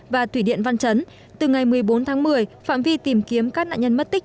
và thủy điện văn chấn từ ngày một mươi bốn tháng một mươi phạm vi tìm kiếm các nạn nhân mất tích